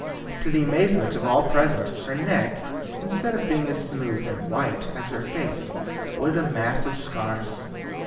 To the amazement of all present, her neck, instead of being as smooth and white as her face, was a mass of scars.